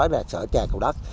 cây trà này là sở trà cầu đất